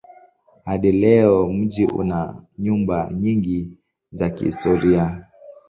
Hadi leo mji una nyumba nyingi za kihistoria.